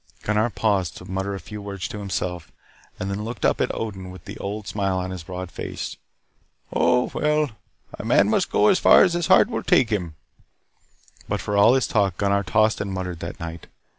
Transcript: Gunnar paused to mutter a few words to himself and then looked up at Odin with the old smile on his broad face. "Oh, well, a man must go as far as his heart will take him "But for all his big talk, Gunnar tossed and muttered that night.